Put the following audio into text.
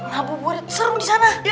rabu buat seru disana